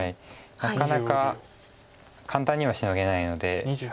なかなか簡単にはシノげないので。